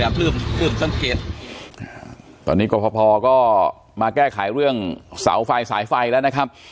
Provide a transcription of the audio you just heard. นี่อย่าลืมลืมสังเกตตอนนี้ก็พอพอก็มาแก้ไขเรื่องสาวไฟสายไฟแล้วนะครับ